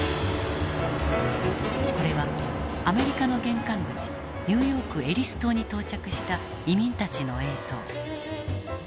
これはアメリカの玄関口ニューヨーク・エリス島に到着した移民たちの映像。